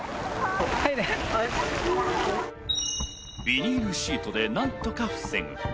ビニールシートで何とか防ぐ。